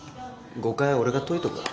誤解は俺が解いとくわ。